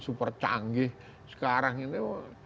super canggih sekarang ini